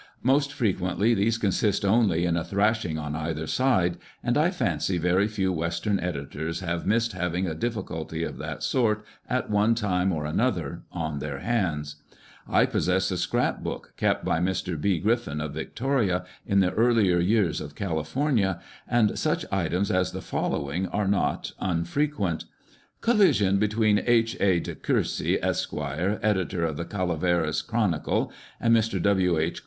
Most frequently these consist only in a thrashing on either side, and I fancy very few western editors have missed having a difficulty of that sort at one time or another on their hands. I possess a scrap book kept by Mr. B. Griffin, of Victoria, in the earlier years of California, and such items as the following are not unfrequent: " Collision between H. A. De Courcey, Esq., editor of the Calaveras Chronicle, and Mr. W. H.